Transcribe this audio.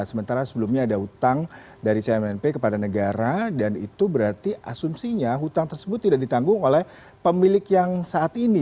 sementara sebelumnya ada utang dari cmnp kepada negara dan itu berarti asumsinya hutang tersebut tidak ditanggung oleh pemilik yang saat ini